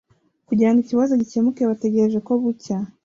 Kugirango ikibazo gikemuke, bategereje ko bucya